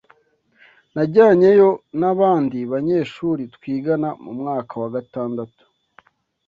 Najyanyeyo n’abandi banyeshuri twigana mu mwaka wa gatandatu